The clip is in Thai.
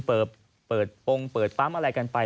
เปิดโปรงเปิดปั๊มอะไรกันไป